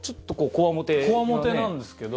こわもてなんですけど。